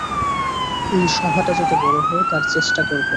এই সভাটা যত বড় হয়, তার চেষ্টা করবে।